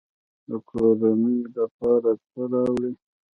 د کورنۍ لپاره څه راوړئ؟